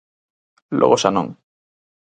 Logo xa non.